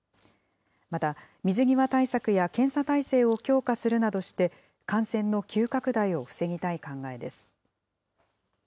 また、水際対策や検査体制を強化するなどして、感染の急拡大を防ぎたい考えです。